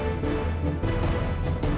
mbak dewi udah bisa jalan